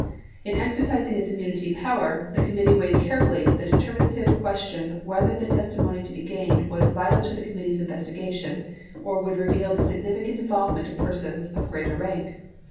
In exercising its immunity power, the committee weighed carefully the determinative question whether the testimony to be gained was vital to the committee's investigation or would reveal the significant involvement of persons of greater rank.